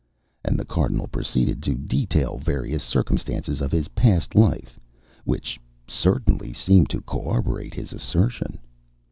And the Cardinal proceeded to detail various circumstances of his past life, which certainly seemed to corroborate his assertion.